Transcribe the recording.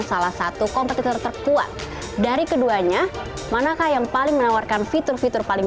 salah satu kompetitor terkuat dari keduanya manakah yang paling menawarkan fitur fitur paling